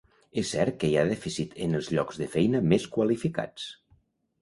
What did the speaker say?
És cert que hi ha dèficit en els llocs de feina més qualificats.